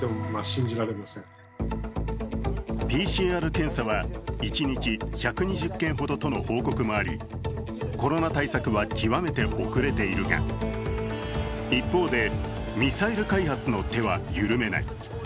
ＰＣＲ検査は一日１２０件ほどとの報告もありコロナ対策は極めて遅れているが、一方でミサイル開発の手は緩めない。